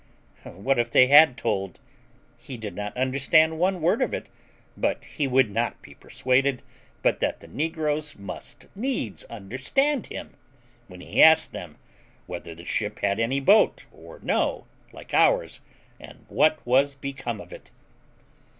What if they had told? He did not understand one word of it; but he would not be persuaded but that the negroes must needs understand him when he asked them whether the ship had any boat or no, like ours, and what was become of it.